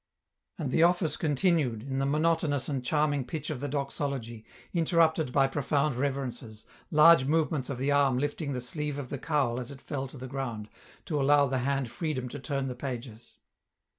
275 And the Office continued, in the monotonous and charming pitch of the doxology, interrupted by profound reverences, large movements of the arm Hfting the sleeve of the cowl as it fell to the ground, to allow the hand freedom to turn the pages.